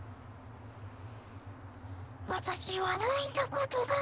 「私は泣いたことがない」